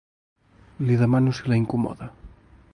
Li demano si la incomoda.